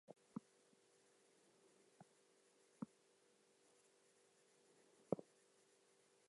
She was a sister of Pedro the First of Brazil.